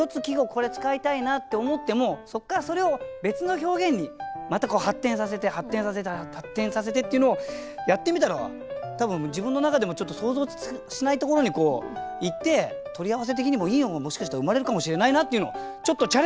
これ使いたいなって思ってもそっからそれを別の表現にまた発展させて発展させて発展させてっていうのをやってみたら多分自分の中でもちょっと想像しないところにいって取り合わせ的にもいいものがもしかしたら生まれるかもしれないなっていうのをちょっとチャレンジしてみようという。